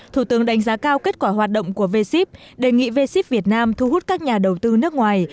thủ tướng đánh giá cao kết quả hoạt động của v ship đề nghị v ship việt nam thu hút các nhà đầu tư nước ngoài